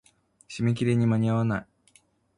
締め切りに間に合わない。